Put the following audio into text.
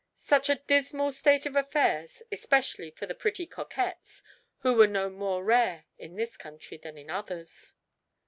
Such a dismal state of affairs, especially for the pretty coquettes, who were no more rare in this country than in others.